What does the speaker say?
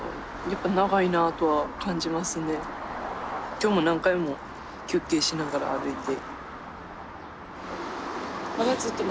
今日も何回も休憩しながら歩いて。